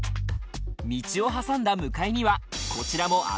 道を挟んだ向かいにはこちらも何？